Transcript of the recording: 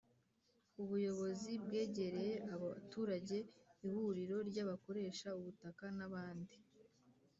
ubuyobozi bwegereye abaturage ihuriro ry'abakoresha ubutaka, n'abandi